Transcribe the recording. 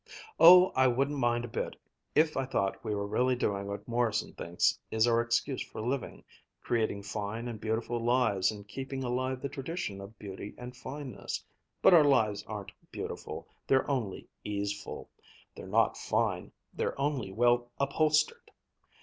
"Oh, I wouldn't mind a bit if I thought we were really doing what Morrison thinks is our excuse for living, creating fine and beautiful lives and keeping alive the tradition of beauty and fineness. But our lives aren't beautiful, they're only easeful. They're not fine, they're only well upholstered.